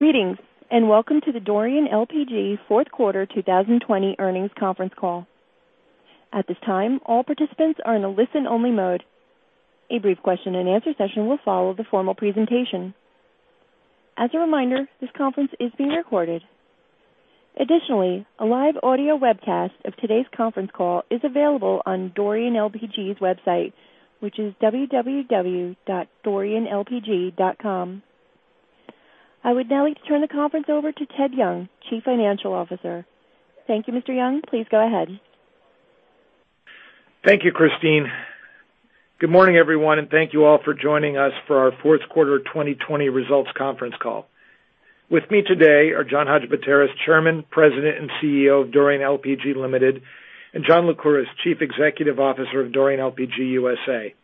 Greetings, welcome to the Dorian LPG fourth quarter 2020 earnings conference call. At this time, all participants are in a listen-only mode. A brief question and answer session will follow the formal presentation. As a reminder, this conference is being recorded. Additionally, a live audio webcast of today's conference call is available on Dorian LPG's website, which is www.dorianlpg.com. I would now like to turn the conference over to Ted Young, Chief Financial Officer. Thank you, Mr. Young. Please go ahead. Thank you, Christine. Good morning, everyone, and thank you all for joining us for our fourth quarter 2020 results conference call. With me today are John Hadjipateras, Chairman, President, and Chief Executive Officer of Dorian LPG Ltd., and John Lycouris, Chief Executive Officer of Dorian LPG (USA)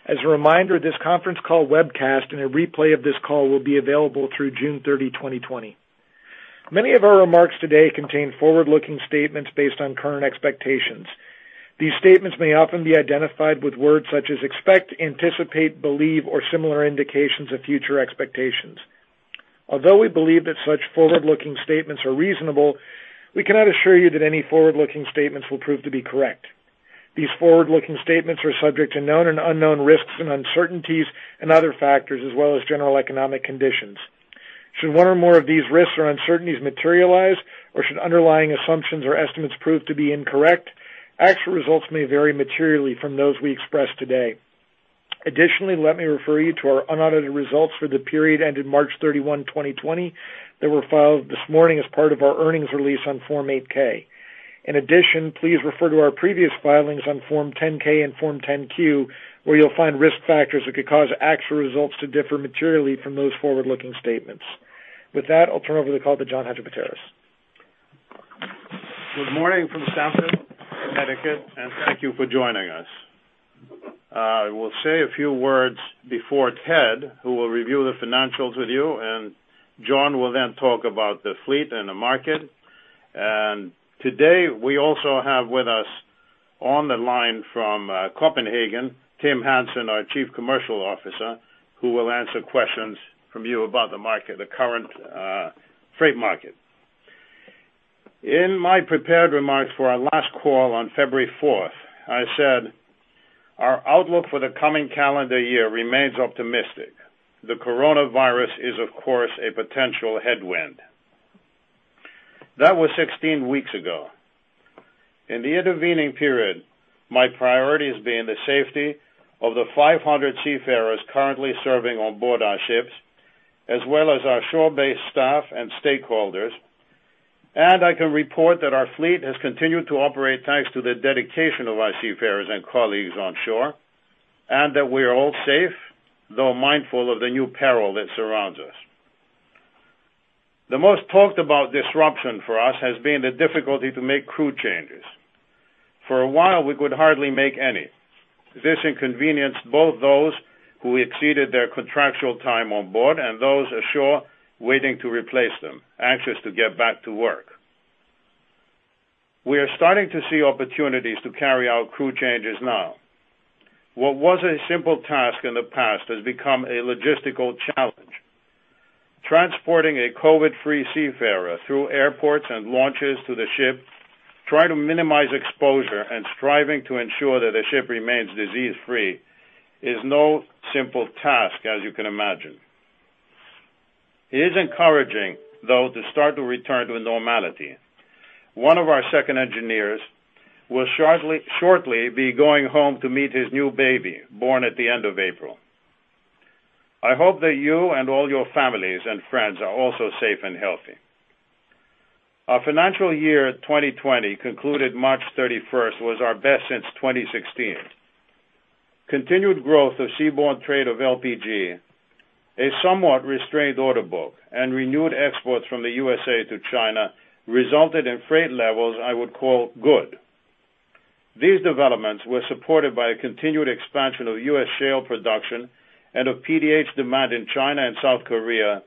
LLC. As a reminder, this conference call webcast and a replay of this call will be available through June 30, 2020. Many of our remarks today contain forward-looking statements based on current expectations. These statements may often be identified with words such as expect, anticipate, believe, or similar indications of future expectations. Although we believe that such forward-looking statements are reasonable, we cannot assure you that any forward-looking statements will prove to be correct. These forward-looking statements are subject to known and unknown risks and uncertainties and other factors, as well as general economic conditions. Should one or more of these risks or uncertainties materialize, or should underlying assumptions or estimates prove to be incorrect, actual results may vary materially from those we express today. Additionally, let me refer you to our unaudited results for the period ended March 31, 2020. They were filed this morning as part of our earnings release on Form 8-K. In addition, please refer to our previous filings on Form 10-K and Form 10-Q, where you'll find risk factors that could cause actual results to differ materially from those forward-looking statements. With that, I'll turn over the call to John Hadjipateras. Good morning from Stamford, Connecticut, and thank you for joining us. I will say a few words before Ted, who will review the financials with you, and John will then talk about the fleet and the market. Today, we also have with us on the line from Copenhagen, Tim Hansen, our Chief Commercial Officer, who will answer questions from you about the current freight market. In my prepared remarks for our last call on February 4th, I said, "Our outlook for the coming calendar year remains optimistic." The COVID-19 is, of course, a potential headwind. That was 16 weeks ago. In the intervening period, my priority has been the safety of the 500 seafarers currently serving on board our ships, as well as our shore-based staff and stakeholders. I can report that our fleet has continued to operate thanks to the dedication of our seafarers and colleagues onshore, and that we are all safe, though mindful of the new peril that surrounds us. The most talked about disruption for us has been the difficulty to make crew changes. For a while, we could hardly make any. This inconvenienced both those who exceeded their contractual time on board and those ashore waiting to replace them, anxious to get back to work. We are starting to see opportunities to carry out crew changes now. What was a simple task in the past has become a logistical challenge. Transporting a COVID-free seafarer through airports and launches to the ship, try to minimize exposure, and striving to ensure that the ship remains disease-free is no simple task, as you can imagine. It is encouraging, though, to start to return to normality. One of our second engineers will shortly be going home to meet his new baby, born at the end of April. I hope that you and all your families and friends are also safe and healthy. Our financial year 2020, concluded March 31st, was our best since 2016. Continued growth of seaborne trade of LPG, a somewhat restrained order book, and renewed exports from the USA to China resulted in freight levels I would call good. These developments were supported by a continued expansion of U.S. shale production and of PDH demand in China and South Korea,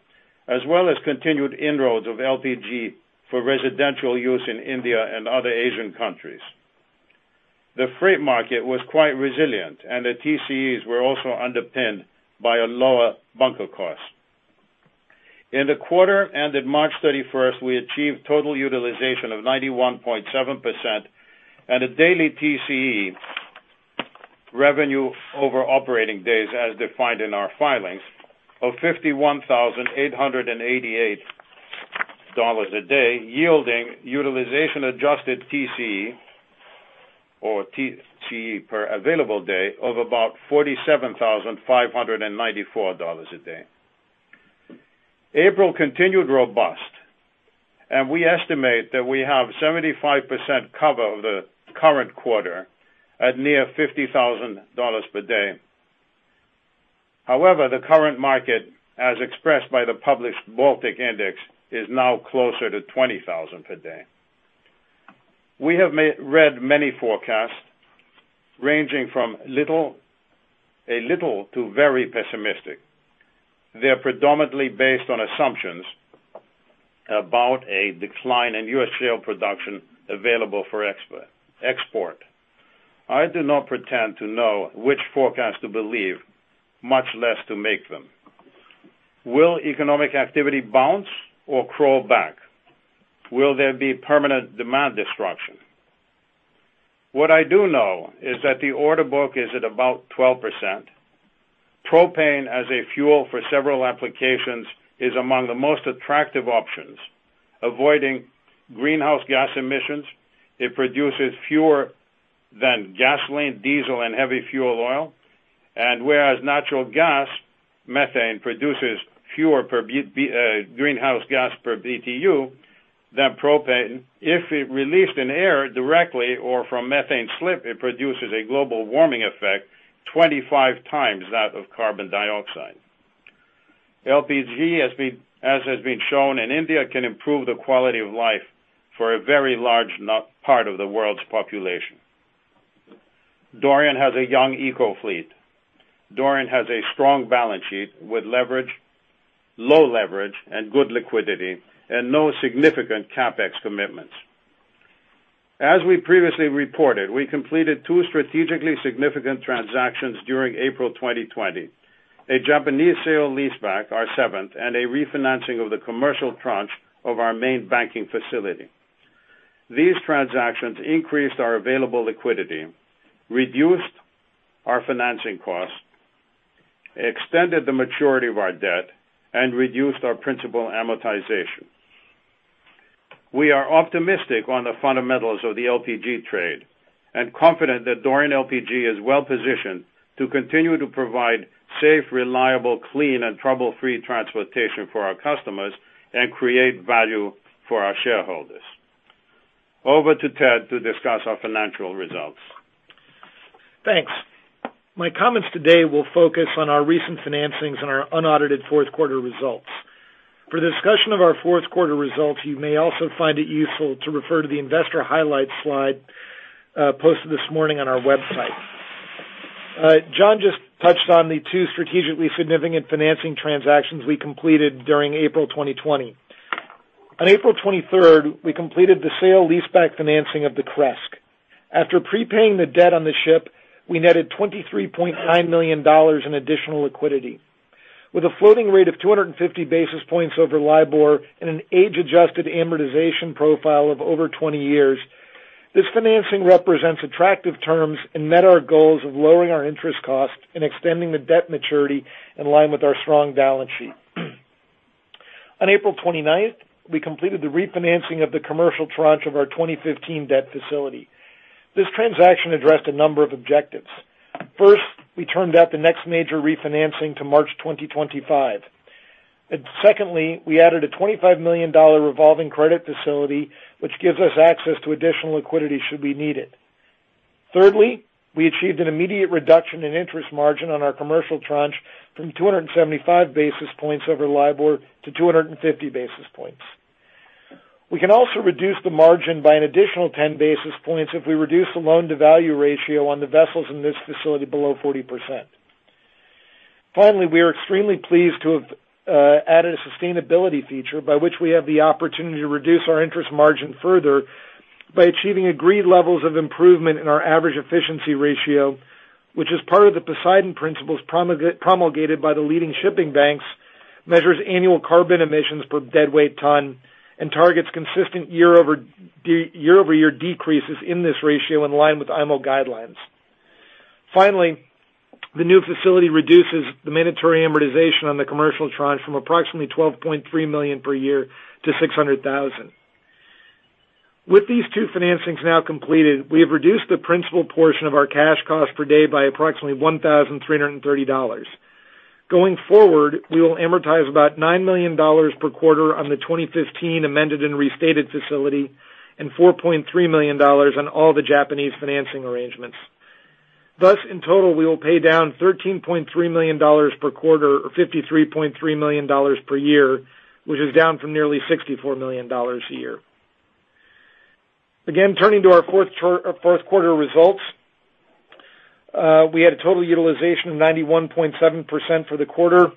as well as continued inroads of LPG for residential use in India and other Asian countries. The freight market was quite resilient, and the TCEs were also underpinned by a lower bunker cost. In the quarter ended March 31st, we achieved total utilization of 91.7% and a daily TCE revenue over operating days, as defined in our filings, of $51,888 a day, yielding utilization-adjusted TCE or TCE per available day of about $47,594 a day. April continued robust, and we estimate that we have 75% cover of the current quarter at near $50,000 per day. However, the current market, as expressed by the Baltic LPG Index, is now closer to $20,000 per day. We have read many forecasts ranging from a little to very pessimistic. They are predominantly based on assumptions about a decline in U.S. shale production available for export. I do not pretend to know which forecast to believe, much less to make them. Will economic activity bounce or crawl back? Will there be permanent demand destruction? What I do know is that the order book is at about 12%. Propane as a fuel for several applications is among the most attractive options, avoiding greenhouse gas emissions. It produces fewer than gasoline, diesel, and heavy fuel oil. Whereas natural gas, methane, produces fewer greenhouse gas per BTU than propane. If it released in air directly or from methane slip, it produces a global warming effect 25 times that of carbon dioxide. LPG, as has been shown in India, can improve the quality of life for a very large part of the world's population. Dorian has a young eco-fleet. Dorian has a strong balance sheet with low leverage and good liquidity and no significant CapEx commitments. As we previously reported, we completed two strategically significant transactions during April 2020. A Japanese sale-leaseback, our seventh, and a refinancing of the commercial tranche of our main banking facility. These transactions increased our available liquidity, reduced our financing costs, extended the maturity of our debt, and reduced our principal amortization. We are optimistic on the fundamentals of the LPG trade and confident that Dorian LPG is well-positioned to continue to provide safe, reliable, clean, and trouble-free transportation for our customers and create value for our shareholders. Over to Ted to discuss our financial results. Thanks. My comments today will focus on our recent financings and our unaudited fourth quarter results. For the discussion of our fourth quarter results, you may also find it useful to refer to the investor highlights slide posted this morning on our website. John just touched on the two strategically significant financing transactions we completed during April 2020. On April 23rd, we completed the sale-leaseback financing of the Cresques. After prepaying the debt on the ship, we netted $23.9 million in additional liquidity. With a floating rate of 250 basis points over LIBOR and an age-adjusted amortization profile of over 20 years, this financing represents attractive terms and met our goals of lowering our interest cost and extending the debt maturity in line with our strong balance sheet. On April 29th, we completed the refinancing of the commercial tranche of our 2015 debt facility. This transaction addressed a number of objectives. First, we turned out the next major refinancing to March 2025. Secondly, we added a $25 million revolving credit facility, which gives us access to additional liquidity should we need it. Thirdly, we achieved an immediate reduction in interest margin on our commercial tranche from 275 basis points over LIBOR to 250 basis points. We can also reduce the margin by an additional 10 basis points if we reduce the loan-to-value ratio on the vessels in this facility below 40%. Finally, we are extremely pleased to have added a sustainability feature by which we have the opportunity to reduce our interest margin further by achieving agreed levels of improvement in our average efficiency ratio, which is part of the Poseidon Principles promulgated by the leading shipping banks, measures annual carbon emissions per deadweight ton, and targets consistent year-over-year decreases in this ratio in line with IMO guidelines. Finally, the new facility reduces the mandatory amortization on the commercial tranche from approximately $12.3 million per year to $600,000. With these two financings now completed, we have reduced the principal portion of our cash cost per day by approximately $1,330. Going forward, we will amortize about $9 million per quarter on the 2015 amended and restated facility and $4.3 million on all the Japanese financing arrangements. Thus, in total, we will pay down $13.3 million per quarter or $53.3 million per year, which is down from nearly $64 million a year. Again, turning to our fourth quarter results. We had a total utilization of 91.7% for the quarter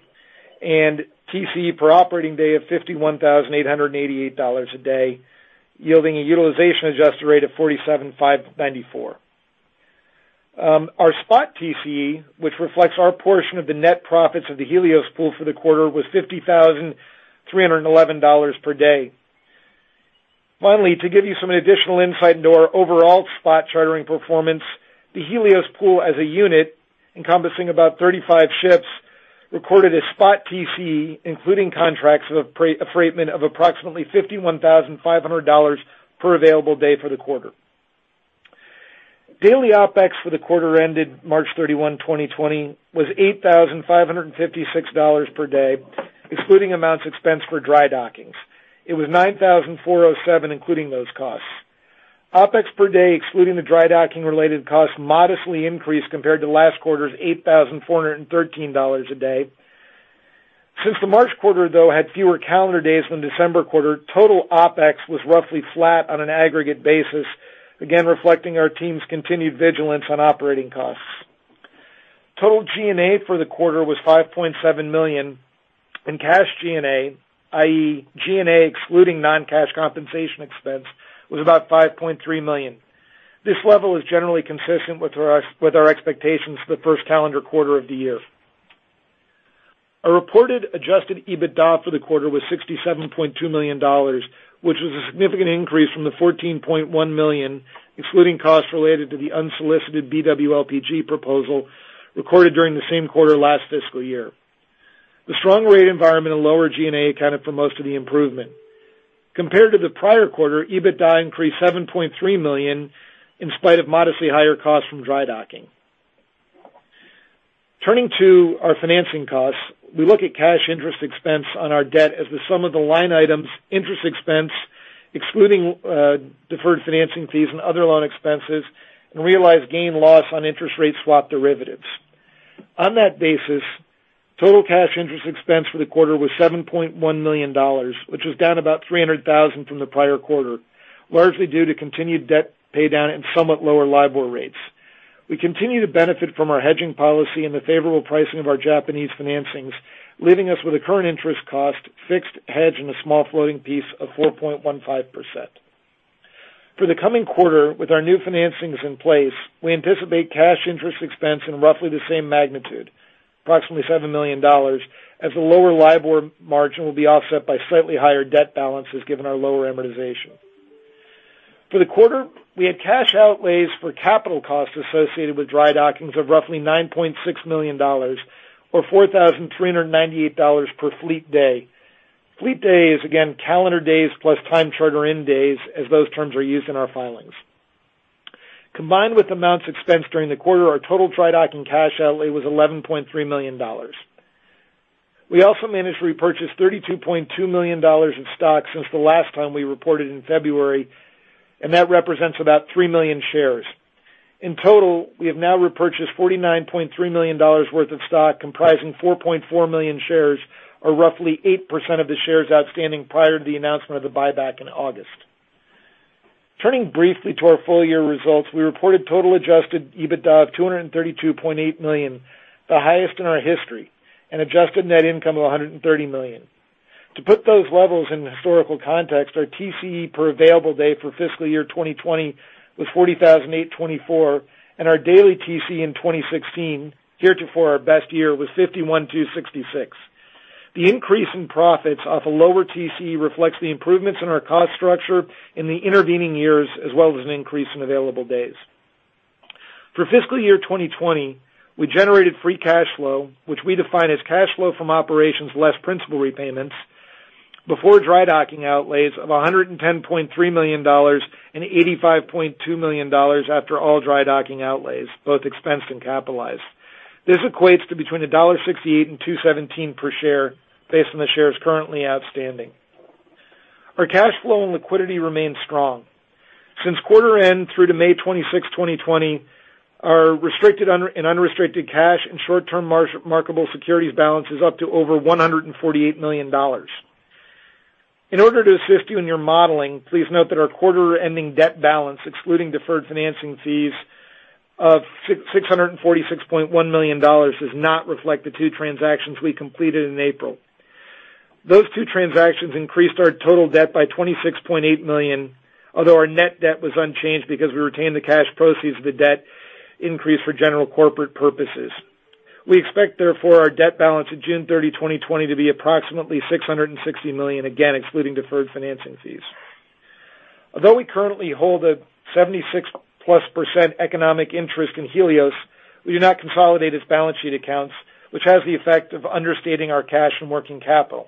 and TCE per operating day of $51,888 a day, yielding a utilization-adjusted rate of $47,594. Our spot TCE, which reflects our portion of the net profits of the Helios pool for the quarter, was $50,311 per day. Finally, to give you some additional insight into our overall spot chartering performance, the Helios pool as a unit encompassing about 35 ships, recorded a spot TCE, including contracts of affreightment of approximately $51,500 per available day for the quarter. Daily OpEx for the quarter ended March 31, 2020, was $8,556 per day, excluding amounts expensed for dry dockings. It was $9,407 including those costs. OpEx per day, excluding the dry docking-related costs, modestly increased compared to last quarter's $8,413 a day. Since the March quarter, though, had fewer calendar days than the December quarter, total OpEx was roughly flat on an aggregate basis, again reflecting our team's continued vigilance on operating costs. Total G&A for the quarter was $5.7 million, and cash G&A, i.e., G&A excluding non-cash compensation expense, was about $5.3 million. This level is generally consistent with our expectations for the first calendar quarter of the year. Our reported adjusted EBITDA for the quarter was $67.2 million, which was a significant increase from the $14.1 million, excluding costs related to the unsolicited BW LPG proposal recorded during the same quarter last fiscal year. The strong rate environment and lower G&A accounted for most of the improvement. Compared to the prior quarter, EBITDA increased $7.3 million in spite of modestly higher costs from dry docking. Turning to our financing costs, we look at cash interest expense on our debt as the sum of the line items interest expense, excluding deferred financing fees and other loan expenses, and realized gain loss on interest rate swap derivatives. On that basis, total cash interest expense for the quarter was $7.1 million, which was down about $300,000 from the prior quarter, largely due to continued debt pay down and somewhat lower LIBOR rates. We continue to benefit from our hedging policy and the favorable pricing of our Japanese financings, leaving us with a current interest cost fixed hedge and a small floating piece of 4.15%. For the coming quarter, with our new financings in place, we anticipate cash interest expense in roughly the same magnitude, approximately $7 million, as the lower LIBOR margin will be offset by slightly higher debt balances, given our lower amortization. For the quarter, we had cash outlays for capital costs associated with dry dockings of roughly $9.6 million, or $4,398 per fleet day. Fleet day is, again, calendar days plus time charter-in days, as those terms are used in our filings. Combined with amounts expensed during the quarter, our total dry docking cash outlay was $11.3 million. We also managed to repurchase $32.2 million in stock since the last time we reported in February. That represents about 3 million shares. In total, we have now repurchased $49.3 million worth of stock, comprising 4.4 million shares, or roughly 8% of the shares outstanding prior to the announcement of the buyback in August. Turning briefly to our full-year results, we reported total adjusted EBITDA of $232.8 million, the highest in our history, and adjusted net income of $130 million. To put those levels in historical context, our TCE per available day for fiscal year 2020 was $40,824, and our daily TCE in 2016, heretofore our best year, was $51,266. The increase in profits off a lower TCE reflects the improvements in our cost structure in the intervening years, as well as an increase in available days. For fiscal year 2020, we generated free cash flow, which we define as cash flow from operations less principal repayments, before dry docking outlays of $110.3 million and $85.2 million after all dry docking outlays, both expensed and capitalized. This equates to between $1.68 and $2.17 per share based on the shares currently outstanding. Our cash flow and liquidity remain strong. Since quarter end through to May 26, 2020, our restricted and unrestricted cash and short-term marketable securities balance is up to over $148 million. In order to assist you in your modeling, please note that our quarter-ending debt balance, excluding deferred financing fees, of $646.1 million does not reflect the two transactions we completed in April. Those two transactions increased our total debt by $26.8 million, although our net debt was unchanged because we retained the cash proceeds of the debt increase for general corporate purposes. We expect, therefore, our debt balance at June 30, 2020 to be approximately $660 million, again, excluding deferred financing fees. Although we currently hold a 76%+ economic interest in Helios, we do not consolidate its balance sheet accounts, which has the effect of understating our cash and working capital.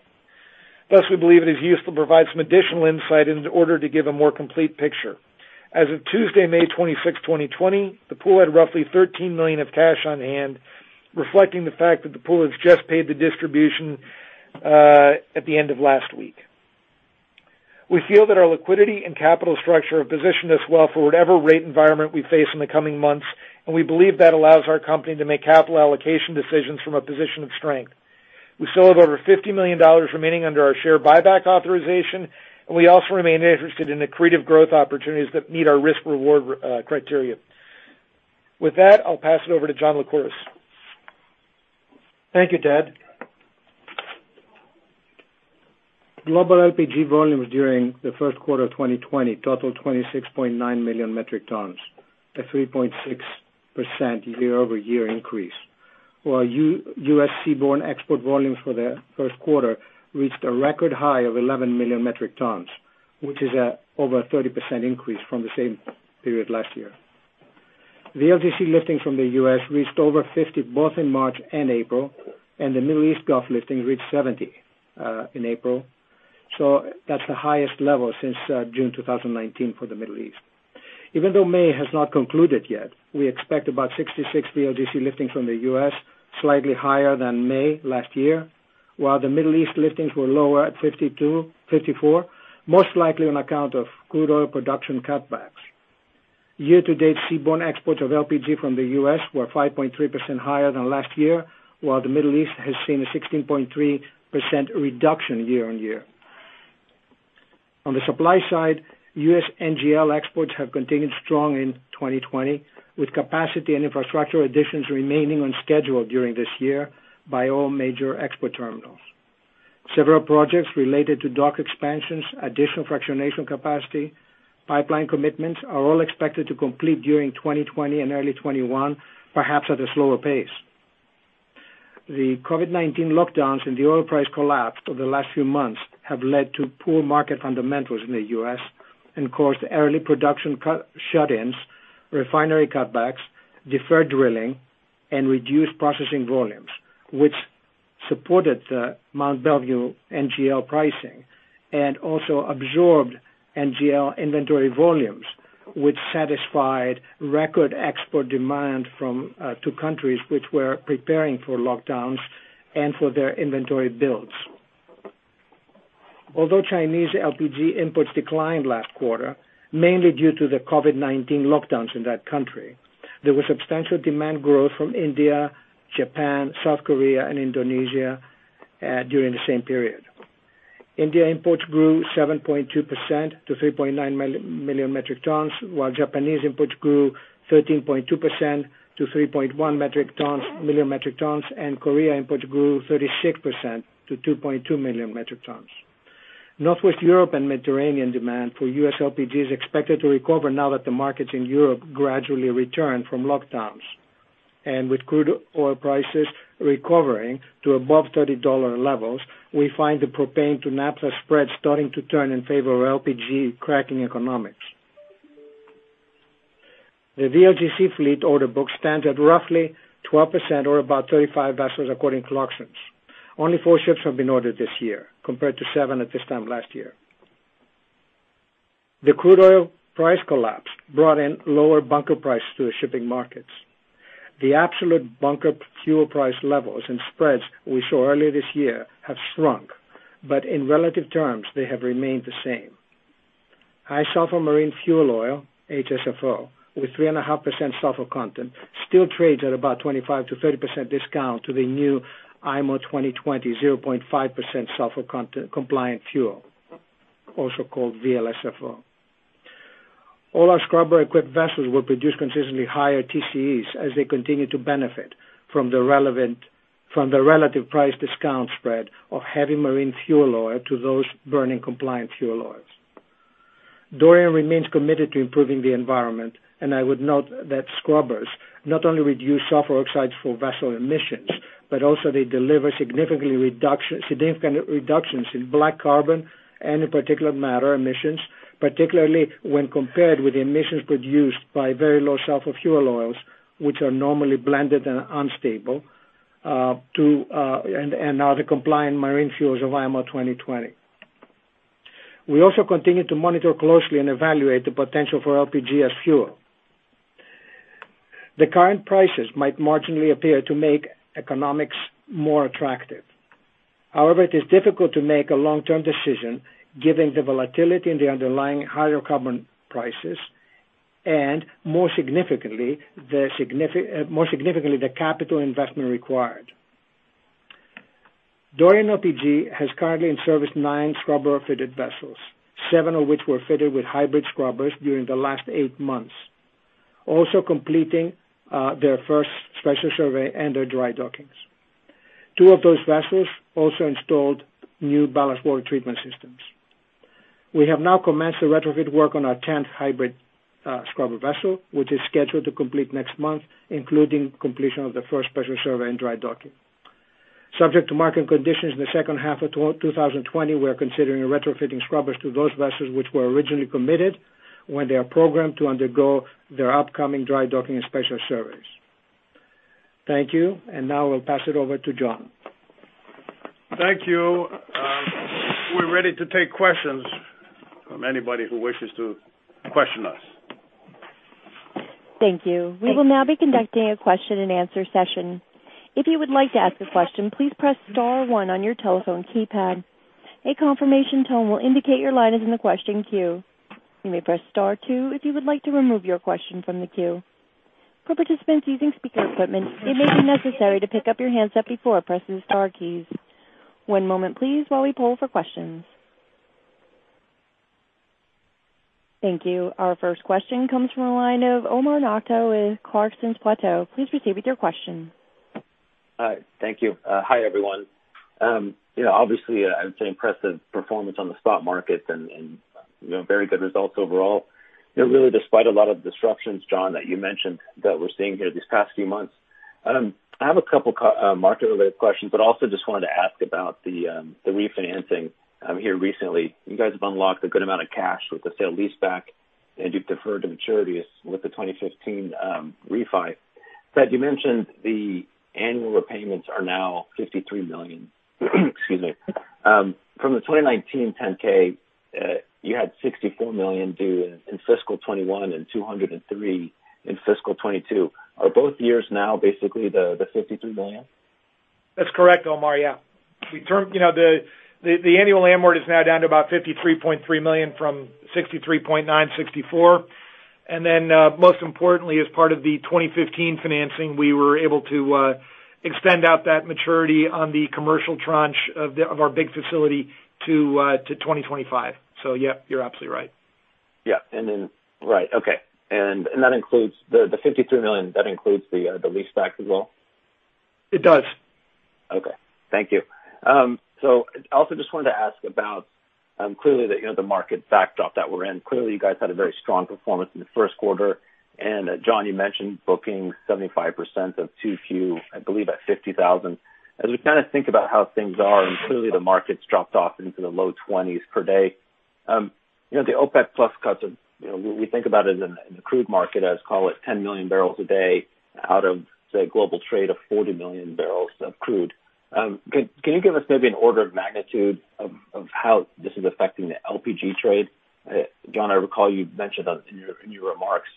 We believe it is useful to provide some additional insight in order to give a more complete picture. As of Tuesday, May 26, 2020, the pool had roughly $13 million of cash on hand, reflecting the fact that the pool has just paid the distribution at the end of last week. We feel that our liquidity and capital structure have positioned us well for whatever rate environment we face in the coming months. We believe that allows our company to make capital allocation decisions from a position of strength. We still have over $50 million remaining under our share buyback authorization, and we also remain interested in accretive growth opportunities that meet our risk-reward criteria. With that, I'll pass it over to John Lycouris. Thank you, Ted. Global LPG volumes during the first quarter of 2020 totaled 26.9 million metric tons, a 3.6% year-over-year increase. While U.S. seaborne export volumes for the first quarter reached a record high of 11 million metric tons, which is over a 30% increase from the same period last year. VLGC lifting from the U.S. reached over 50, both in March and April, and the Middle East Gulf lifting reached 70 in April. That's the highest level since June 2019 for the Middle East. Even though May has not concluded yet, we expect about 66 VLGC liftings from the U.S., slightly higher than May last year, while the Middle East liftings were lower at 54, most likely on account of crude oil production cutbacks. Year-to-date seaborne exports of LPG from the U.S. were 5.3% higher than last year, while the Middle East has seen a 16.3% reduction year on year. On the supply side, U.S. NGL exports have continued strong in 2020, with capacity and infrastructure additions remaining on schedule during this year by all major export terminals. Several projects related to dock expansions, additional fractionation capacity, pipeline commitments, are all expected to complete during 2020 and early 2021, perhaps at a slower pace. The COVID-19 lockdowns and the oil price collapse over the last few months have led to poor market fundamentals in the U.S. and caused early production cut shut-ins, refinery cutbacks, deferred drilling, and reduced processing volumes, which supported the Mont Belvieu NGL pricing and also absorbed NGL inventory volumes, which satisfied record export demand to countries which were preparing for lockdowns and for their inventory builds. Although Chinese LPG imports declined last quarter, mainly due to the COVID-19 lockdowns in that country, there was substantial demand growth from India, Japan, South Korea, and Indonesia during the same period. India imports grew 7.2% to 3.9 million metric tons, while Japanese imports grew 13.2% to 3.1 million metric tons, and Korea imports grew 36% to 2.2 million metric tons. Northwest Europe and Mediterranean demand for U.S. LPG is expected to recover now that the markets in Europe gradually return from lockdowns. With crude oil prices recovering to above $30 levels, we find the propane-to-naphtha spread starting to turn in favor of LPG cracking economics. The VLGC fleet order book stands at roughly 12% or about 35 vessels according to Clarksons. Only four ships have been ordered this year, compared to seven at this time last year. The crude oil price collapse brought in lower bunker prices to the shipping markets. The absolute bunker fuel price levels and spreads we saw earlier this year have shrunk, but in relative terms, they have remained the same. High sulfur marine fuel oil, HSFO, with 3.5% sulfur content, still trades at about 25%-30% discount to the new IMO 2020 0.5% sulfur content compliant fuel, also called VLSFO. All our scrubber-equipped vessels will produce consistently higher TCEs as they continue to benefit from the relative price discount spread of heavy marine fuel oil to those burning compliant fuel oils. Dorian remains committed to improving the environment. I would note that scrubbers not only reduce sulfur oxides for vessel emissions, but also they deliver significant reductions in black carbon and in particulate matter emissions, particularly when compared with emissions produced by very low sulfur fuel oils, which are normally blended and unstable, and now the compliant marine fuels of IMO 2020. We also continue to monitor closely and evaluate the potential for LPG as fuel. The current prices might marginally appear to make economics more attractive. However, it is difficult to make a long-term decision given the volatility in the underlying hydrocarbon prices, and more significantly, the capital investment required. Dorian LPG has currently in service nine scrubber-fitted vessels, seven of which were fitted with hybrid scrubbers during the last eight months, also completing their first special survey and their dry dockings. Two of those vessels also installed new ballast water treatment systems. We have now commenced the retrofit work on our 10th hybrid scrubber vessel, which is scheduled to complete next month, including completion of the first special survey and dry docking. Subject to market conditions in the second half of 2020, we are considering retrofitting scrubbers to those vessels which were originally committed when they are programmed to undergo their upcoming dry docking and special surveys. Thank you. Now I will pass it over to John. Thank you. We are ready to take questions from anybody who wishes to question us. Thank you. We will now be conducting a question and answer session. If you would like to ask a question, please press star one on your telephone keypad. A confirmation tone will indicate your line is in the question queue. You may press star two if you would like to remove your question from the queue. For participants using speaker equipment, it may be necessary to pick up your handset before pressing the star keys. One moment please while we poll for questions. Thank you. Our first question comes from the line of Omar Nokta with Clarksons Platou. Please proceed with your question. Hi. Thank you. Hi, everyone. Obviously, I would say impressive performance on the stock market and very good results overall, really despite a lot of disruptions, John, that you mentioned that we're seeing here these past few months. I have a couple market-related questions, but also just wanted to ask about the refinancing here recently. You guys have unlocked a good amount of cash with the sale-leaseback, and you've deferred the maturities with the 2015 refi. Ted, you mentioned the annual repayments are now $53 million. Excuse me. From the 2019 Form 10-K, you had $64 million due in fiscal 2021 and $203 million in fiscal 2022. Are both years now basically the $53 million? That's correct, Omar. Yeah. The annual amort is now down to about $53.3 million from $63.9 million, $64 million. Most importantly, as part of the 2015 financing, we were able to extend out that maturity on the commercial tranche of our big facility to 2025. Yeah, you're absolutely right. Yeah. Right. Okay. That includes- the $53 million, that includes the leaseback as well? It does. Okay. Thank you. Also just wanted to ask about, clearly the market backdrop that we're in. Clearly, you guys had a very strong performance in the first quarter. John, you mentioned booking 75% of 2Q, I believe, at $50,000. As we think about how things are, and clearly the market's dropped off into the low $20s per day. The OPEC+ cuts are, we think about it in the crude market as, call it, 10 million barrels a day out of, say, global trade of 40 million barrels of crude. Can you give us maybe an order of magnitude of how this is affecting the LPG trade? John, I recall you mentioned in your remarks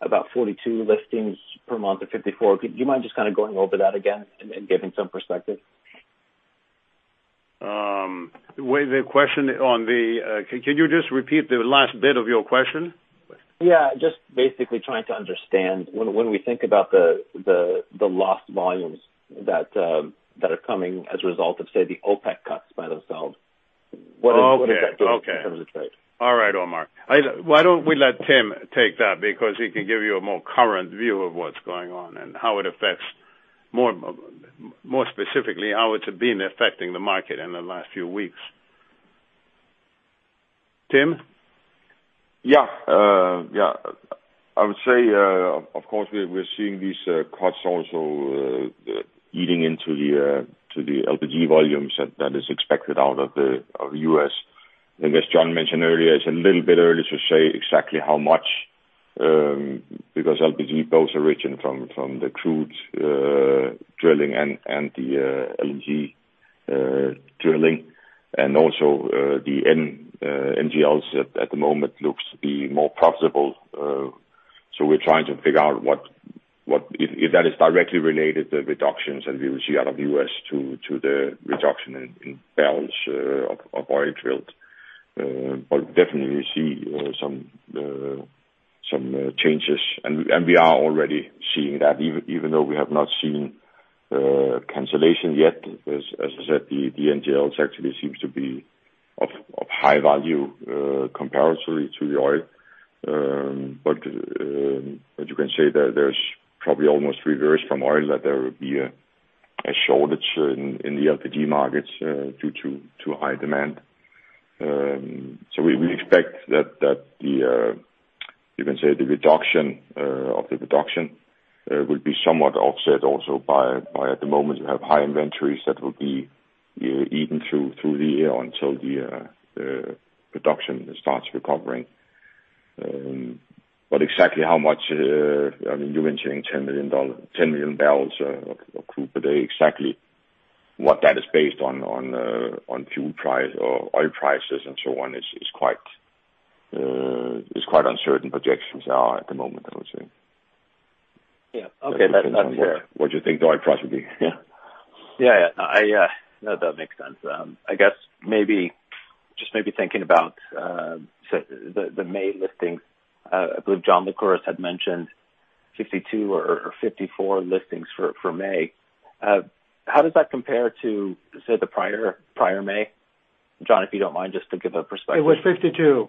about 42 liftings per month or 54. Do you mind just kind of going over that again and giving some perspective? Can you just repeat the last bit of your question? Yeah, just basically trying to understand when we think about the lost volumes that are coming as a result of, say, the OPEC cuts by themselves. Okay. What does that do in terms of the trade? All right, Omar. Why don't we let Tim take that? Because he can give you a more current view of what's going on and how it affects, more specifically, how it's been affecting the market in the last few weeks. Tim? Yeah. I would say, of course, we're seeing these cuts also eating into the LPG volumes that is expected out of the U.S. As John mentioned earlier, it's a little bit early to say exactly how much, because LPG both origin from the crude drilling and the LNG drilling, and also the NGLs at the moment looks to be more profitable. We're trying to figure out if that is directly related to reductions that we will see out of the U.S. to the reduction in barrels of oil drilled. Definitely we see some changes, and we are already seeing that even though we have not seen cancellation yet. As I said, the NGLs actually seems to be of high value comparatory to the oil. You can say that there's probably almost reverse from oil, that there will be a shortage in the LPG markets due to high demand. We expect that the reduction of the production will be somewhat offset also by, at the moment, you have high inventories that will be eaten through the year until the production starts recovering. Exactly how much, you're mentioning 10 million, 10 million barrels of crude per day. Exactly what that is based on fuel price or oil prices and so on is quite uncertain projections are at the moment, I would say. Yeah. Okay. That's fair. What you think the oil price would be? Yeah. Yeah. No, that makes sense. I guess just maybe thinking about the May liftings. I believe John Lycouris had mentioned 52 or 54 liftings for May. How does that compare to, say, the prior May? John, if you don't mind, just to give a perspective. It was 52. It was 52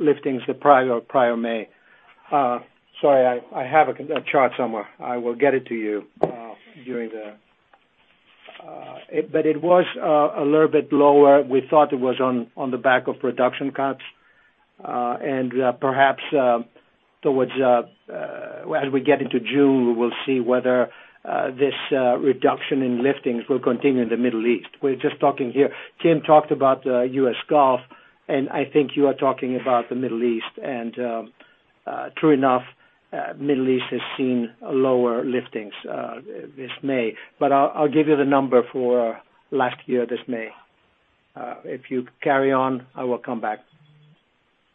liftings the prior May. Sorry, I have a chart somewhere. I will get it to you. It was a little bit lower. We thought it was on the back of production cuts. Perhaps towards, as we get into June, we will see whether this reduction in liftings will continue in the Middle East. We're just talking here. Tim talked about the U.S. Gulf, and I think you are talking about the Middle East. True enough, Middle East has seen lower liftings this May. I'll give you the number for last year this May. If you carry on, I will come back.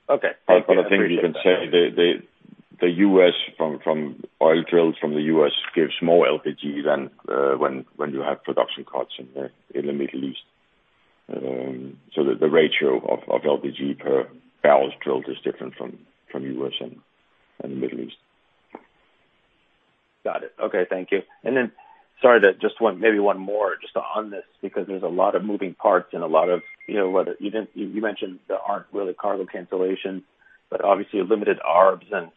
Okay. I think you can say the U.S. from oil drills from the U.S. gives more LPG than when you have production cuts in the Middle East. The ratio of LPG per barrels drilled is different from U.S. and the Middle East. Got it. Okay. Thank you. Sorry, just maybe one more just on this, because there's a lot of moving parts and a lot of, you mentioned there aren't really cargo cancellations, but obviously limited arbs and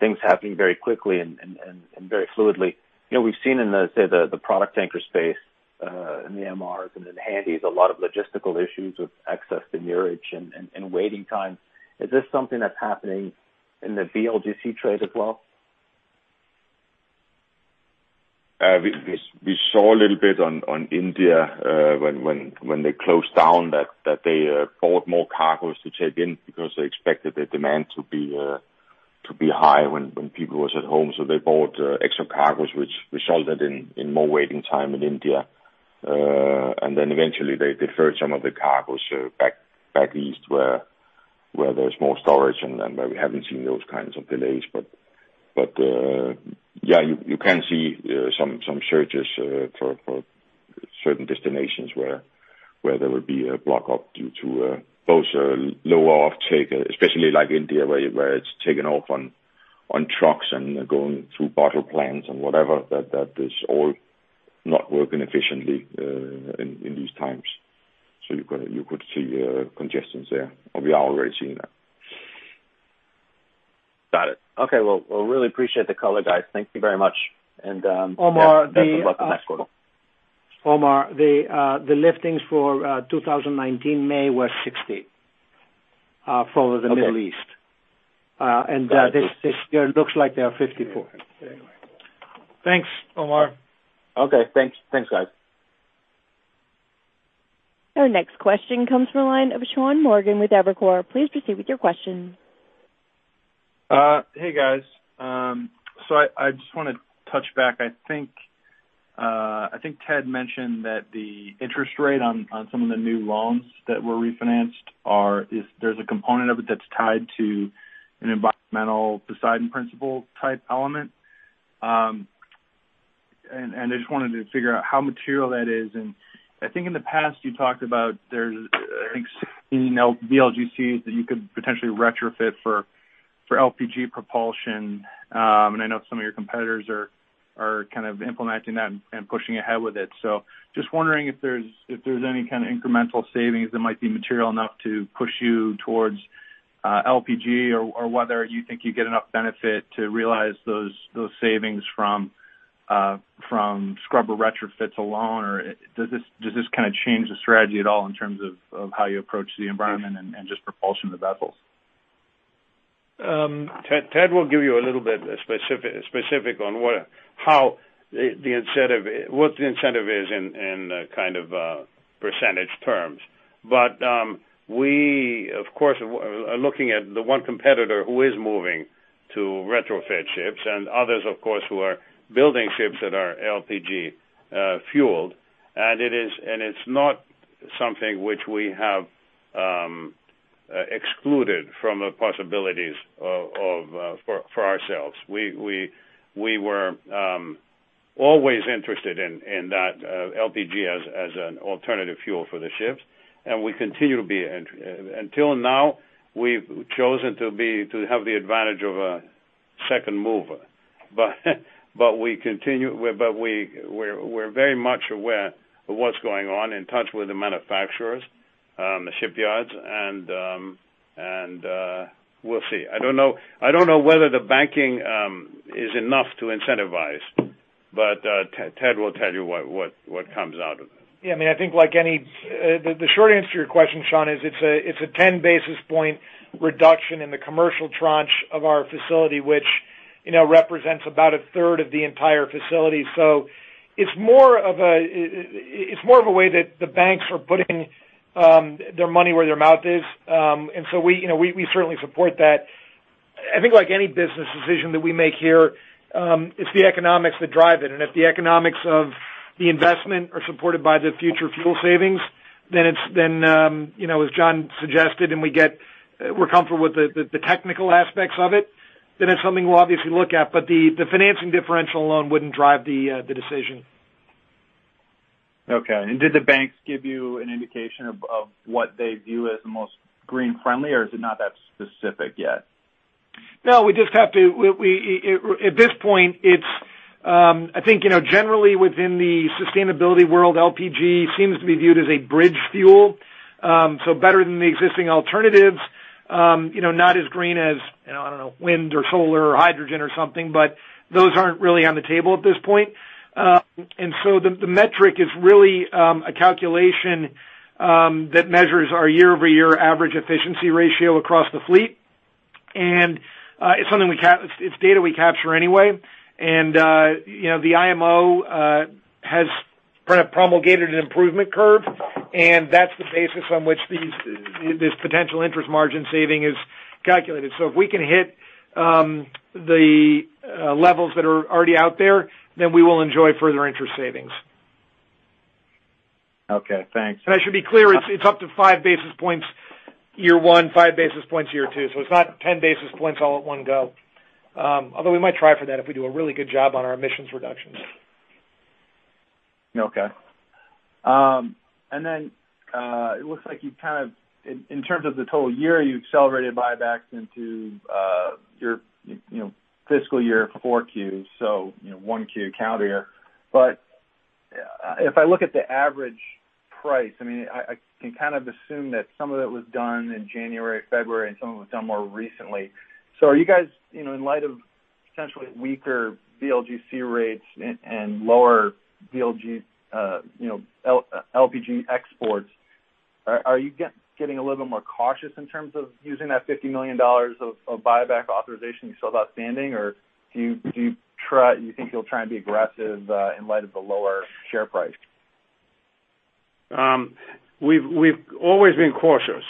things happening very quickly and very fluidly. We've seen in the, say, the product tanker space, in the MRs and in the Handys, a lot of logistical issues with access to anchorage and waiting times. Is this something that's happening in the VLGC trade as well? We saw a little bit on India, when they closed down that they bought more cargos to check in because they expected the demand to be high when people was at home. They bought extra cargos, which resulted in more waiting time in India. Eventually they deferred some of the cargos back east where there's more storage and where we haven't seen those kinds of delays. Yeah, you can see some surges for certain destinations where there would be a block up due to both lower off-take, especially like India, where it's taken off on trucks and going through bottle plants and whatever, that is all not working efficiently in these times. You could see congestions there, or we are already seeing that. Got it. Okay. Well, really appreciate the color, guys. Thank you very much. Omar. Best of luck in the next quarter. Omar, the liftings for 2019 May were 60 for the Middle East. Okay. Got it. This looks like they are 54. Anyway. Thanks, Omar. Okay, thanks, guys. Our next question comes from the line of Sean Morgan with Evercore. Please proceed with your question. Hey, guys. I just want to touch back. I think Ted mentioned that the interest rate on some of the new loans that were refinanced, there's a component of it that's tied to an environmental Poseidon Principles type element. I just wanted to figure out how material that is. I think in the past you talked about there's I think 16 VLGCs that you could potentially retrofit for LPG propulsion. I know some of your competitors are kind of implementing that and pushing ahead with it. Just wondering if there's any kind of incremental savings that might be material enough to push you towards LPG or whether you think you get enough benefit to realize those savings from scrubber retrofits alone. Does this kind of change the strategy at all in terms of how you approach the environment and just propulsion of the vessels? Ted will give you a little bit specific on what the incentive is in kind of percentage terms. We, of course, are looking at the one competitor who is moving to retrofit ships and others, of course, who are building ships that are LPG-fueled. It's not something which we have excluded from the possibilities for ourselves. We were always interested in that LPG as an alternative fuel for the ships, and we continue to be interested. Until now, we've chosen to have the advantage of a second mover. We're very much aware of what's going on, in touch with the manufacturers, the shipyards, and we'll see. I don't know whether the banking is enough to incentivize, but Ted will tell you what comes out of it. I think the short answer to your question, Sean, is it's a 10-basis-point reduction in the commercial tranche of our facility, which represents about a third of the entire facility. It's more of a way that the banks are putting their money where their mouth is. We certainly support that. I think like any business decision that we make here, it's the economics that drive it. If the economics of the investment are supported by the future fuel savings, then as John suggested, and we're comfortable with the technical aspects of it, then it's something we'll obviously look at. The financing differential alone wouldn't drive the decision. Okay. Did the banks give you an indication of what they view as the most green-friendly, or is it not that specific yet? No. At this point, I think generally within the sustainability world, LPG seems to be viewed as a bridge fuel. Better than the existing alternatives. Not as green as, I don't know, wind or solar or hydrogen or something, but those aren't really on the table at this point. The metric is really a calculation that measures our year-over-year average efficiency ratio across the fleet, and it's data we capture anyway. The IMO has kind of promulgated an improvement curve, and that's the basis on which this potential interest margin saving is calculated. If we can hit the levels that are already out there, then we will enjoy further interest savings. Okay, thanks. I should be clear, it's up to 5 basis points year one, 5 basis points year two. It's not 10 basis points all at one go. Although we might try for that if we do a really good job on our emissions reductions. Okay. It looks like in terms of the total year, you accelerated buybacks into your fiscal year 4Qs, so 1Q calendar year. If I look at the average price, I can kind of assume that some of it was done in January, February, and some of it was done more recently. Are you guys, in light of potentially weaker VLGC rates and lower LPG exports, are you getting a little more cautious in terms of using that $50 million of buyback authorization you still have outstanding? Or do you think you'll try and be aggressive in light of the lower share price? We've always been cautious,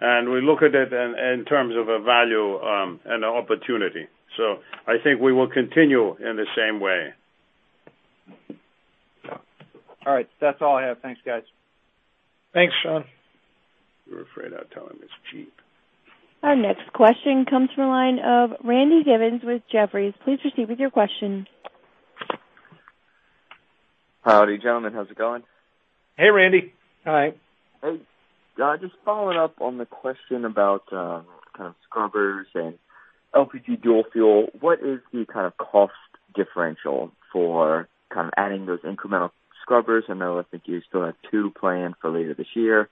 and we look at it in terms of a value and an opportunity. I think we will continue in the same way. All right. That's all I have. Thanks, guys. Thanks, Sean. You're afraid I'd tell him it's cheap. Our next question comes from the line of Randy Giveans with Jefferies. Please proceed with your question. Howdy, gentlemen. How's it going? Hey, Randy. Hi. Just following up on the question about scrubbers and LPG dual fuel. What is the cost differential for adding those incremental scrubbers? I know LPG, you still have two planned for later this year,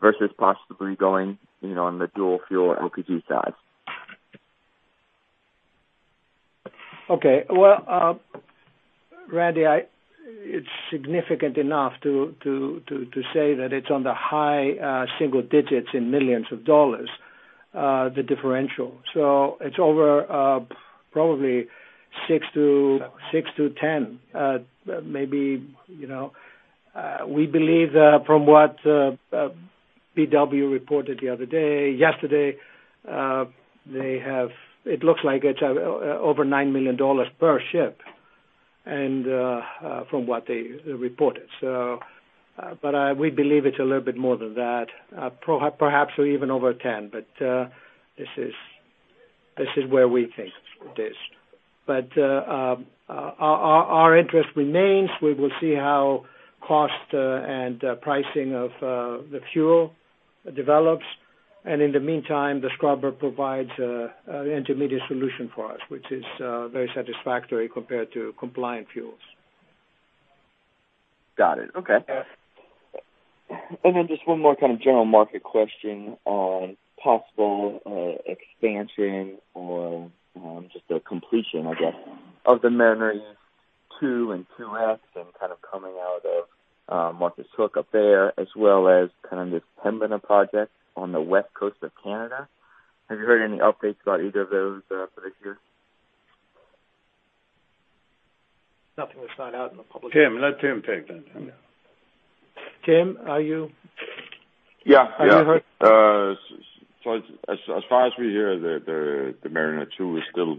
versus possibly going on the dual fuel LPG side. Okay. Well, Randy, it's significant enough to say that it's on the high single digits in millions of dollars, the differential. It's over probably 6-10, maybe. We believe, from what BW reported yesterday, it looks like it's over $9 million per ship from what they reported. We believe it's a little bit more than that. Perhaps even over 10. This is where we think it is. Our interest remains. We will see how cost and pricing of the fuel develops. In the meantime, the scrubber provides an intermediate solution for us, which is very satisfactory compared to compliant fuels. Got it. Okay. Just one more kind of general market question on possible expansion or just a completion, I guess, of the Mariner East 2 and 2S and kind of coming out of Marcus Hook up there, as well as this Pembina project on the west coast of Canada. Have you heard any updates about either of those for this year? Nothing that's signed out in the public. Tim, let Tim take that. Tim- Yeah. Have you heard? As far as we hear, the Mariner East 2 is still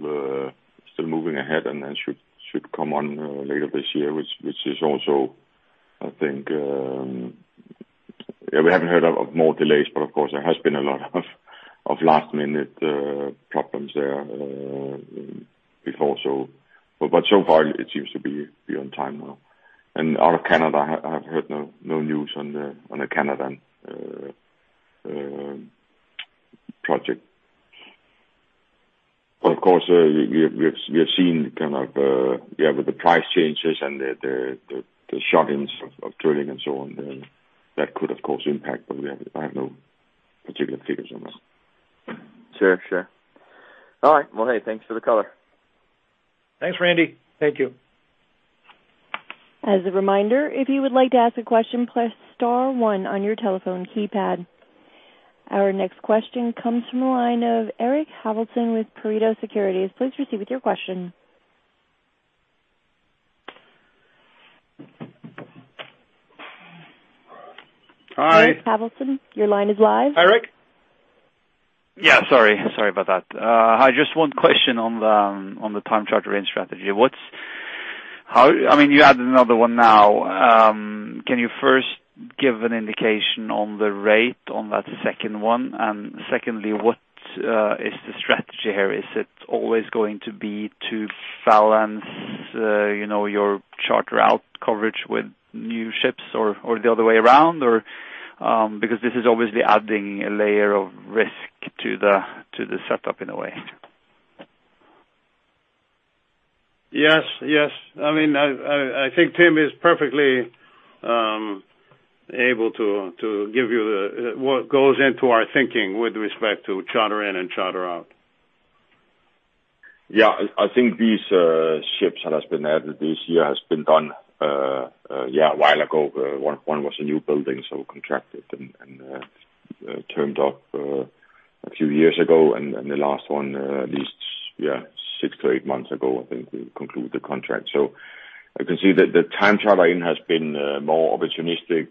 moving ahead and should come on later this year, which is also, I think, we haven't heard of more delays, but of course, there has been a lot of last-minute problems there before. So far, it seems to be on time now. Out of Canada, I've heard no news on the Canada project. Of course, we have seen kind of the price changes and the shut-ins of drilling and so on, then that could, of course, impact, but I have no particular figures on that. Sure. All right. Well, hey, thanks for the color. Thanks, Randy. Thank you. As a reminder, if you would like to ask a question, press star one on your telephone keypad. Our next question comes from the line of Eirik Haavaldsen with Pareto Securities. Please proceed with your question. Hi. Eirik Haavaldsen, your line is live. Hi, Eirik. Yeah, sorry about that. Just one question on the time charter in strategy. You added another one now. Can you first give an indication on the rate on that second one? Secondly, what is the strategy here? Is it always going to be to balance your charter out coverage with new ships or the other way around? This is obviously adding a layer of risk to the setup in a way. Yes. I think Tim is perfectly able to give you what goes into our thinking with respect to charter in and charter out. Yeah. I think these ships that has been added this year has been done a while ago. One was a newbuilding, so contracted and termed up a few years ago, and the last one at least six to eight months ago, I think, we concluded the contract. You can see that the time charter in has been more opportunistic,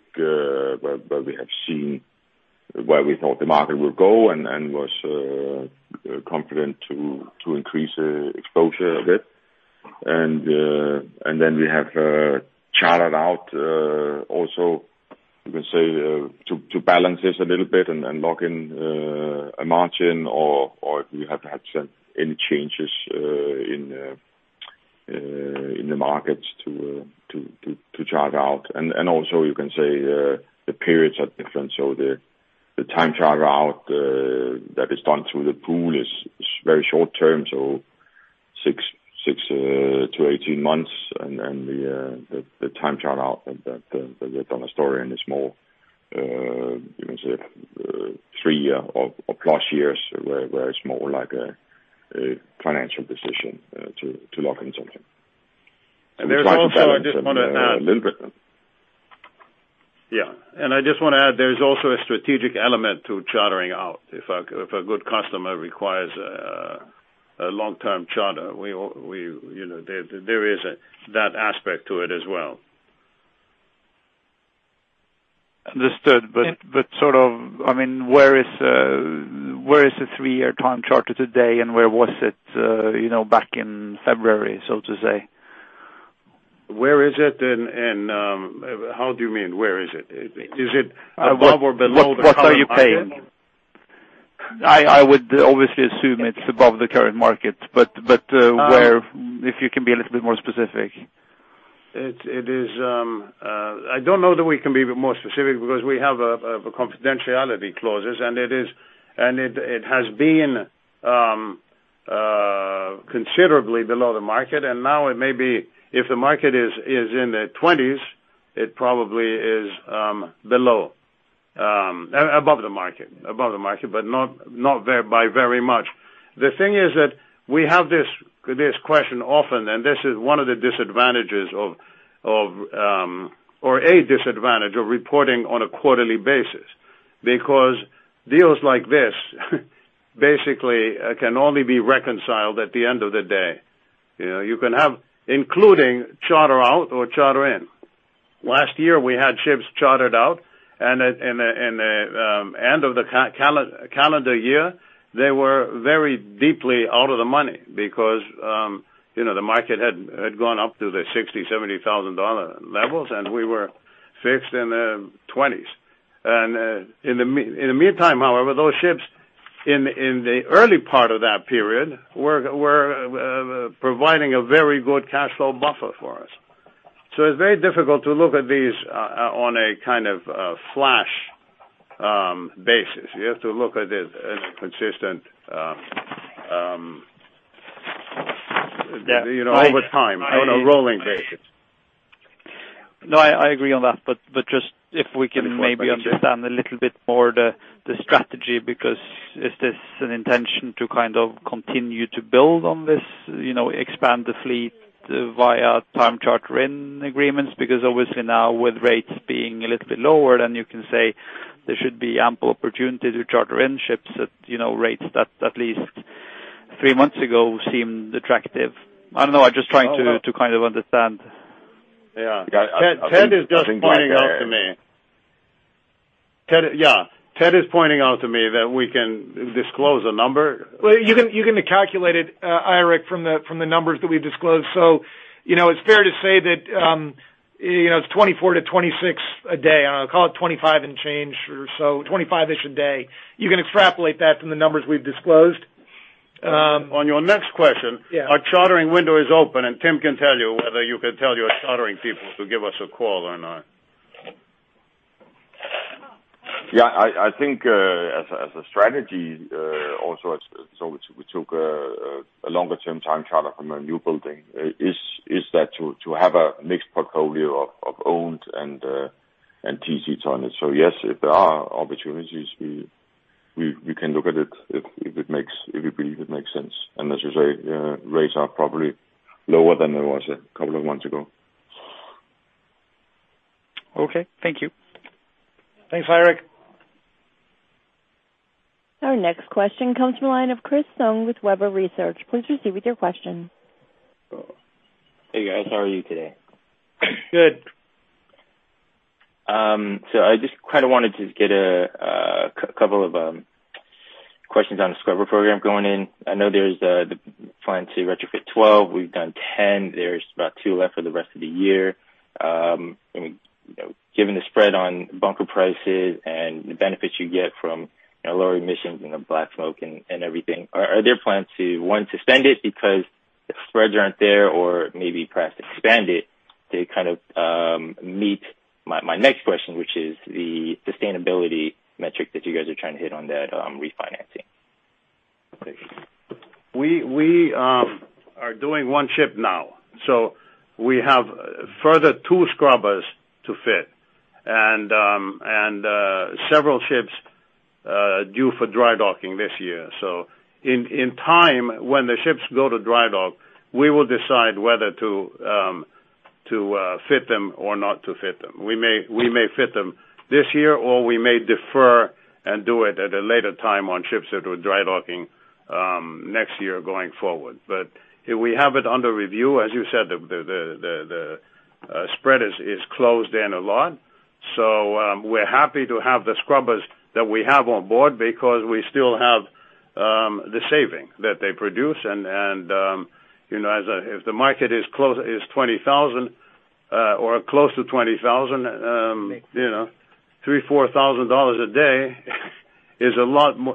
where we thought the market would go and was confident to increase exposure a bit. Then we have chartered out also, you can say, to balance this a little bit and lock in a margin, or if we have had any changes in the markets to charter out. Also, you can say the periods are different. The time charter out that is done through the pool is very short-term, so 6-18 months. The time charter out that we have done as Dorian is more, you can say, three or plus years, where it's more like a financial position to lock in something. There's also, I just want to add. Try to balance them a little bit. Yeah. I just want to add, there's also a strategic element to chartering out. If a good customer requires a long-term charter, there is that aspect to it as well. Understood. Where is the three-year time charter today, and where was it back in February, so to say? Where is it, and how do you mean, where is it? Is it above or below the current market? What are you paying? I would obviously assume it's above the current market, but where, if you can be a little bit more specific. I don't know that we can be more specific because we have confidentiality clauses, and it has been considerably below the market, and now it may be, if the market is in the $20s, it probably is above the market, but not by very much. The thing is that we have this question often, and this is one of the disadvantages of, or a disadvantage of reporting on a quarterly basis. Because deals like this basically can only be reconciled at the end of the day. You can have including charter out or charter in. Last year, we had ships chartered out, and at the end of the calendar year, they were very deeply out of the money because the market had gone up to the $60,000, $70,000 levels, and we were fixed in the $20s. In the meantime, however, those ships in the early part of that period were providing a very good cash flow buffer for us. It's very difficult to look at these on a kind of flash basis. You have to look at it in a consistent, over time, on a rolling basis. No, I agree on that. Just if we can maybe understand a little bit more the strategy, because is this an intention to kind of continue to build on this, expand the fleet via time charter-in agreements? Obviously now with rates being a little bit lower, then you can say there should be ample opportunity to charter in ships at rates that at least three months ago seemed attractive. I don't know. I'm just trying to kind of understand. Yeah. Ted is just pointing out to me. Yeah. Ted is pointing out to me that we can disclose a number. You can calculate it, Eirik, from the numbers that we've disclosed. It's fair to say that it's $24-$26 a day. I'll call it $25 and change or so, $25-ish a day. You can extrapolate that from the numbers we've disclosed. On your next question- Yeah. Our chartering window is open, and Tim can tell you whether you can tell your chartering people to give us a call or not. Yeah, I think, as a strategy, also, we took a longer-term time charter from a newbuilding, is that to have a mixed portfolio of owned and TC tonnage. Yes, if there are opportunities, we can look at it if we believe it makes sense. As you say, rates are probably lower than they were, say, a couple of months ago. Okay. Thank you. Thanks, Eirik. Our next question comes from the line of Chris Tsung with Webber Research. Please proceed with your question. Hey, guys. How are you today? Good. I just kind of wanted to get a couple of questions on the scrubber program going in. I know there's the plan to retrofit 12. We've done 10. There's about two left for the rest of the year. Given the spread on bunker prices and the benefits you get from lower emissions and the black smoke and everything, are there plans to, one, suspend it because the spreads aren't there or maybe perhaps expand it to kind of meet my next question, which is the sustainability metric that you guys are trying to hit on that refinancing? We are doing one ship now. We have further two scrubbers to fit and several ships due for dry docking this year. In time, when the ships go to dry dock, we will decide whether to fit them or not to fit them. We may fit them this year, or we may defer and do it at a later time on ships that are dry-docked next year going forward. We have it under review. As you said, the spread is closed in a lot. We're happy to have the scrubbers that we have on board because we still have the saving that they produce, and if the market is $20,000 or close to $20,000, $3,000, $4,000 a day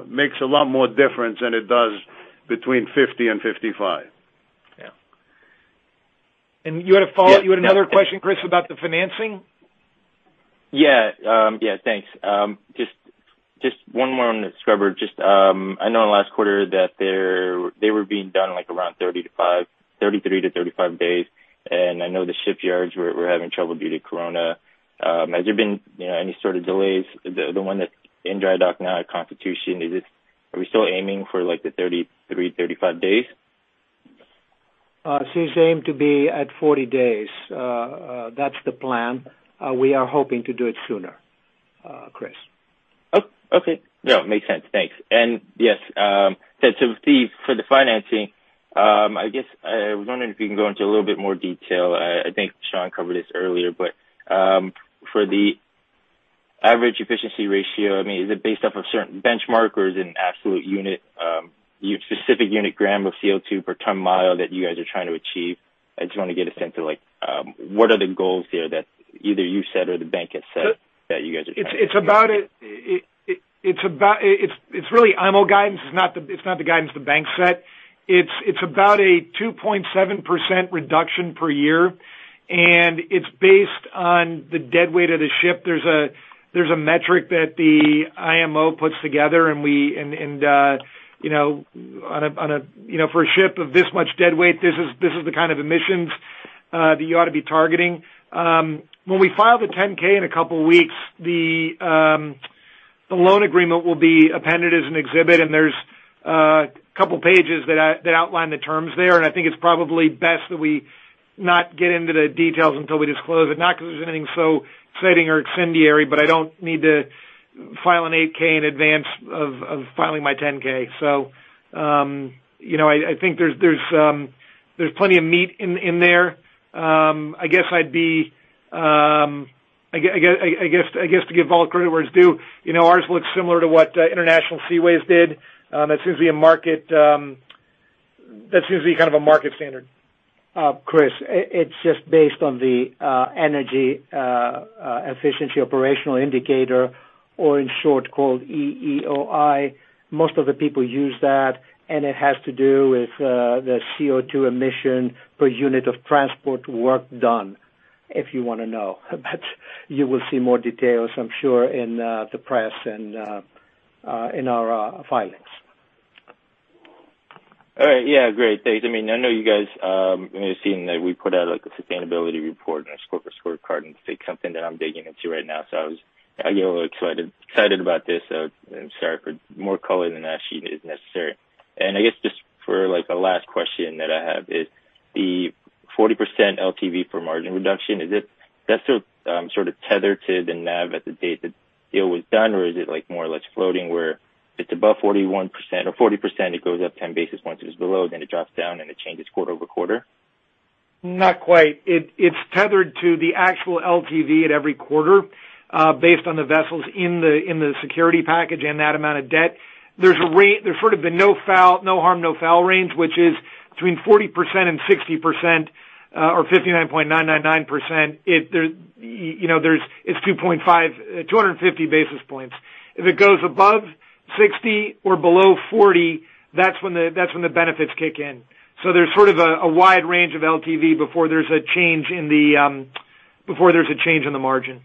makes a lot more difference than it does between $50 and $55. Yeah. You had a follow-up? You had another question, Chris, about the financing? Yeah. Thanks. Just one more on the scrubber. Just I know in the last quarter that they were being done like around 33-35 days, and I know the shipyards were having trouble due to Corona. Has there been any sort of delays? The one that's in dry dock now at Constitution, are we still aiming for like the 33, 35 days? She's aimed to be at 40 days. That's the plan. We are hoping to do it sooner, Chris. Okay. No, it makes sense. Thanks. Yes, Ted, for the financing, I guess I was wondering if you can go into a little bit more detail. I think Sean covered this earlier, but for the average efficiency ratio, is it based off of a certain benchmark or is it an absolute unit, specific unit gram of CO2 per ton mile that you guys are trying to achieve? I just want to get a sense of what are the goals here that either you set or the bank has set that you guys are trying to achieve. It's really IMO guidance. It's not the guidance the bank set. It's about a 2.7% reduction per year, and it's based on the deadweight of the ship. There's a metric that the IMO puts together, and for a ship of this much deadweight, this is the kind of emissions that you ought to be targeting. When we file the Form 10-K in a couple of weeks, the loan agreement will be appended as an exhibit, and there's a couple of pages that outline the terms there, and I think it's probably best that we not get into the details until we disclose it. Not because there's anything so exciting or incendiary, but I don't need to file a Form 8-K in advance of filing my Form 10-K. I think there's plenty of meat in there. I guess to give all credit where it's due, ours looks similar to what International Seaways did. That seems to be kind of a market standard. Chris, it's just based on the energy efficiency operational indicator or in short called EEOI. Most of the people use that, and it has to do with the CO2 emission per unit of transport work done, if you want to know. You will see more details, I'm sure, in the press and in our filings. All right. Yeah, great. Thanks. I know you guys may have seen that we put out a sustainability report and a scorecard. It's something that I'm digging into right now. I get a little excited about this. Sorry for more color than that sheet is necessary. I guess just for the last question that I have is the 40% LTV for margin reduction, is that sort of tethered to the NAV at the date the deal was done or is it more or less floating where it's above 41% or 40%, it goes up 10 basis points. If it's below, then it drops down and it changes quarter-over-quarter? Not quite. It's tethered to the actual LTV at every quarter based on the vessels in the security package and that amount of debt. There's sort of the no harm, no foul range, which is between 40% and 60% or 59.999%. It's 250 basis points. If it goes above 60% or below 40%, that's when the benefits kick in. There's sort of a wide range of LTV before there's a change in the margin.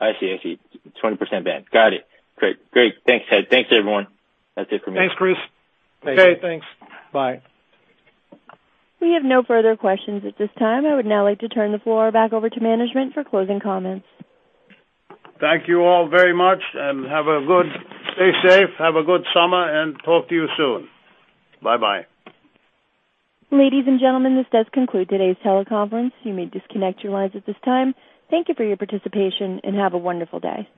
I see. 20% band. Got it. Great. Thanks, Ted. Thanks, everyone. That's it for me. Thanks, Chris. Okay, thanks. Bye. We have no further questions at this time. I would now like to turn the floor back over to management for closing comments. Thank you all very much, and stay safe, have a good summer, and talk to you soon. Bye-bye. Ladies and gentlemen, this does conclude today's teleconference. You may disconnect your lines at this time. Thank you for your participation, and have a wonderful day.